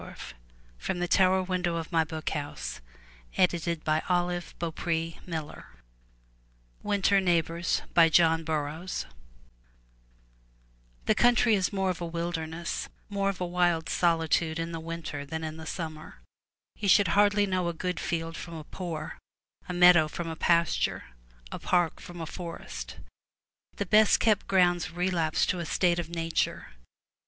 254 FROM THE TOWER WINDOW WINTER NEIGHBORS* John Burroughs THE country is more of a wilderness, more of a wild solitude, in the winter than in the summer. You shall hardly know a good field from a poor, a meadow from a pasture, a park from a forest. The best kept grounds relapse to a state of nature.